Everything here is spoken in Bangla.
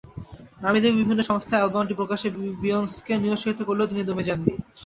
নামীদামি বিভিন্ন সংস্থা অ্যালবামটি প্রকাশে বিয়ন্সকে নিরুৎসাহিত করলেও তিনি দমে যাননি।